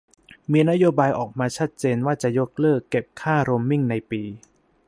มีนโยบายออกมาชัดเจนว่าจะยกเลิกเก็บค่าโรมมิ่งในปี